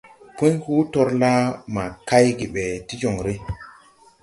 Pũy hoo torla ma kay ge be ti jonre.